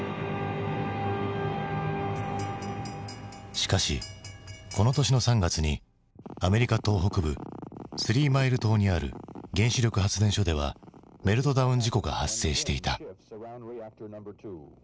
しかしこの年の３月にアメリカ東北部スリーマイル島にある原子力発電所ではメルトダウン事故が発生していた。